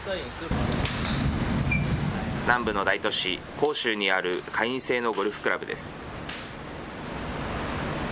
南部の大都市、広州にある会員制のゴルフクラブです。